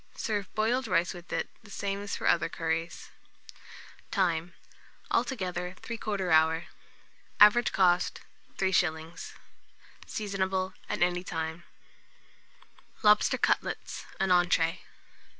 Serve boiled rice with it, the same as for other curries. Time. Altogether, 3/4 hour. Average cost, 3s. Seasonable at any time. LOBSTER CUTLETS (an Entree).